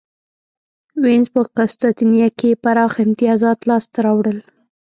وینز په قسطنطنیه کې پراخ امیتازات لاسته راوړل.